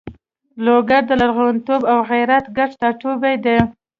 لوګر د لرغونتوب او غیرت ګډ ټاټوبی ده.